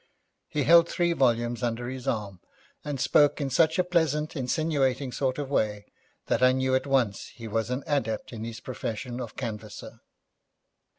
He held three volumes under his arm, and spoke in such a pleasant, insinuating sort of way, that I knew at once he was an adept in his profession of canvasser.